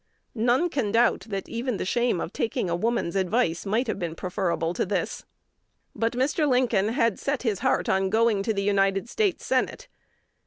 None can doubt that even the shame of taking a woman's advice might have been preferable to this! But Mr. Lincoln "had set his heart on going to the United States Senate."